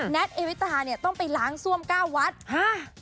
แนทเอวิตาต้องไปล้างซ่วมก้าววัฒน์